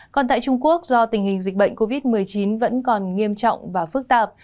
còn tại trung quốc do tình hình dịch bệnh covid một mươi chín vẫn còn nghiêm trọng và phức tạp